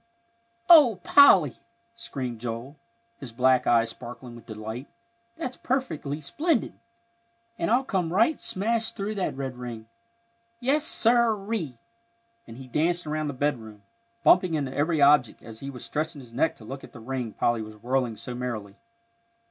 "Oh, Polly!" screamed Joel, his black eyes sparkling with delight, "that's perfectly splendid! and I'll come right smash through that red ring. Yes, sir ree!" and he danced around the bedroom, bumping into every object, as he was stretching his neck to look at the ring Polly was whirling so merrily.